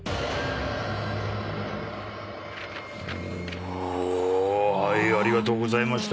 おありがとうございました。